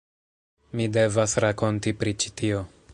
Mi devas rakonti pri ĉi tio.